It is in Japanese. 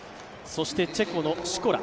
そしてチェコのシコラ。